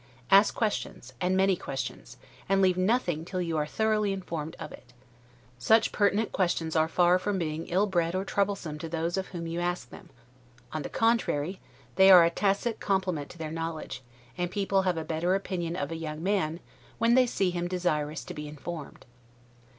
Ask questions, and many questions; and leave nothing till you are thoroughly informed of it. Such pertinent questions are far from being illbred or troublesome to those of whom you ask them; on the contrary, they are a tacit compliment to their knowledge; and people have a better opinion of a young man, when they see him desirous to be informed.